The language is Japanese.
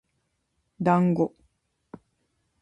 だんご